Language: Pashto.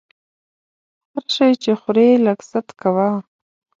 هر شی چې خورې لږ ست کوه!